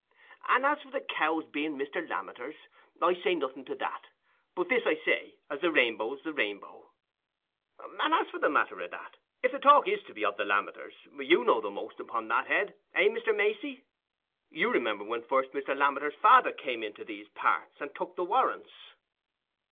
And as for the cow's being Mr. Lammeter's, I say nothing to that; but this I say, as the Rainbow's the Rainbow. And for the matter o' that, if the talk is to be o' the Lammeters, you know the most upo' that head, eh, Mr. Macey? You remember when first Mr. Lammeter's father come into these parts, and took the Warrens?"